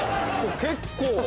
結構。